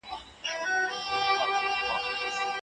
ملا بانګ د یو بل نوي غږ په تمه دی.